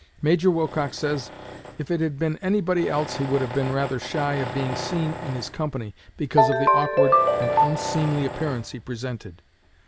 Major Wilcox says if it had been anybody else he would have been rather shy of being seen in his company, because of the awkward and unseemly appearance he presented.